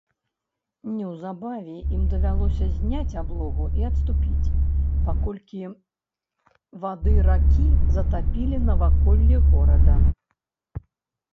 Неўзабаве ім давялося зняць аблогу і адступіць, паколькі вады ракі затапілі наваколлі горада.